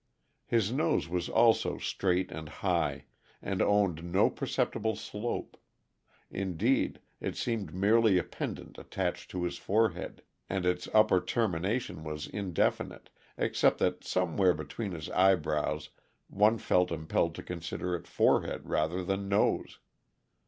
His nose was also straight and high, and owned no perceptible slope; indeed, it seemed merely a pendant attached to his forehead, and its upper termination was indefinite, except that somewhere between his eyebrows one felt impelled to consider it forehead rather than nose.